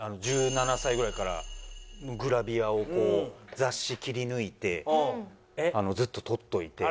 １７歳ぐらいからグラビアをこう雑誌切り抜いてずっと取っといて。